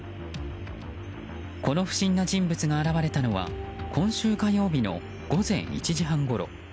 この不審な人物が現れたのは今週火曜日の午前１時半ごろ。